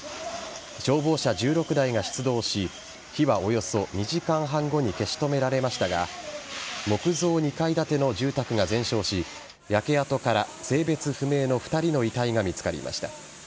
消防車１６台が出動し火はおよそ２時間半後に消し止められましたが木造２階建ての住宅が全焼し焼け跡から、性別不明の２人の遺体が見つかりました。